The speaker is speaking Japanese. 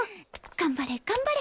頑張れ頑張れ。